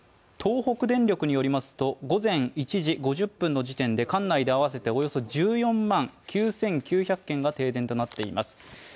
東北電力によりますと、午前１時５０分の時点で合わせておよそ１４万９９００軒が停電となっています。